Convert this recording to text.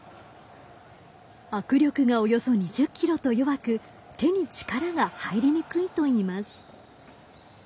握力がおよそ２０キロと弱く手に力が入りにくいといいます。